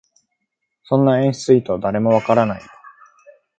そんな演出意図、誰もわからないよ